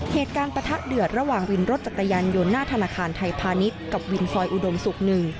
เหตุการณ์ปะทะเดือดระหว่างวินรถจักรยันต์โยนหน้าธนาคารไทยพาณิชย์กับวินซอยอุดมศุกร์หนึ่ง